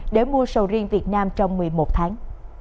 để mua sầu riêng việt nam trong một mươi một tháng